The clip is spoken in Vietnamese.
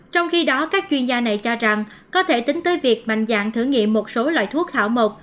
trong khi đó các chuyên gia này cho rằng có thể tính tới việc mạnh dạng thử nghiệm một số loại thuốc hảo một